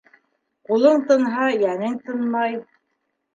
Ҡулың тынһа, йәнең тынмай.